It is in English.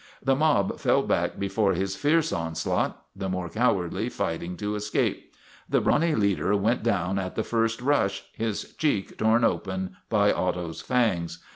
The mob fell back before his fierce onslaught, the more cowardly fighting to escape. The brawny leader went down at the first rush, his cheek torn open by Otto's fangs.